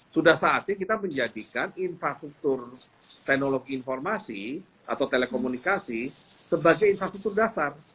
sudah saatnya kita menjadikan infrastruktur teknologi informasi atau telekomunikasi sebagai infrastruktur dasar